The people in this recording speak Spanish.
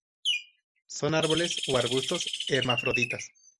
Son árboles o arbustos; hermafroditas.